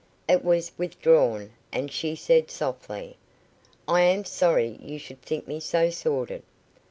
It was withdrawn, and she said softly: "I am sorry you should think me so sordid."